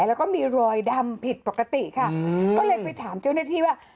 แล้วก็มีรอยดำผิดปกติค่ะก็เลยไปถามเจ้าหน้าที่ว่า